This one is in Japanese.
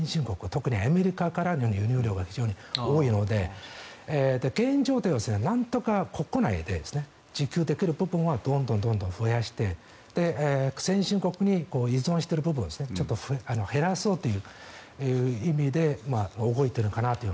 特にアメリカからの輸入量が非常に多いので現状ではなんとか国内で自給できる部分はどんどん増やして先進国に依存している部分をちょっと減らそうという意味で動いているかなと。